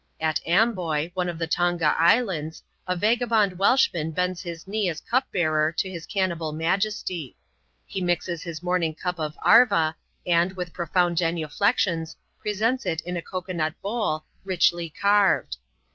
At Amboi, one of the Tonga Islands^ a vagabond Welshman bends his knee as cupbearer to his cannibal majesty. He mixes his morning cup of "arva," and, with profound genuflections, presents it in a cocoa nut bowl, richly called.